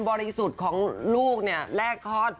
เบาเลยสุดของลูกเลกฮอต